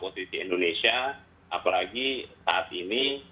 posisi indonesia apalagi saat ini